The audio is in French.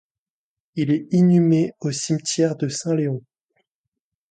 Il est inhumé au cimetière de Saint-Léon.